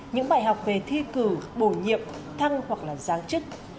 những bài học về thi cử bổ nhiệm thăng hoặc là giáng chức